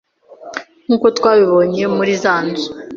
Nkuko twabibonye muri zanzu